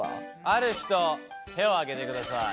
ある人手を挙げてください。